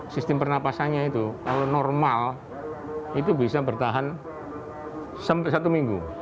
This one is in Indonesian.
sistem pernapasannya itu kalau normal itu bisa bertahan sampai satu minggu